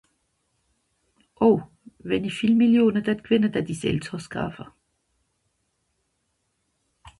o wenn'i vielmillione d'hatt g'wìnne d'hatti s'elsàss kaafe